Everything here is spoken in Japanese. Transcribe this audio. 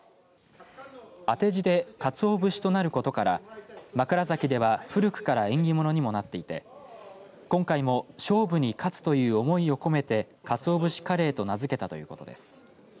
当て字で勝男武士となることから枕崎では古くから縁起物にもなっていて今回も勝負に勝つという思いを込めて勝男武士カレーと名付けたということです。